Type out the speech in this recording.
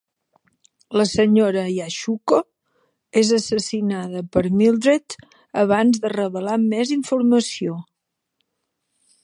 La senyora Yashuko és assassinada per Mildred abans de revelar més informació.